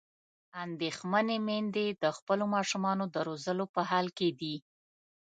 اندېښمنې میندې د خپلو ماشومانو د روزلو په حال کې دي.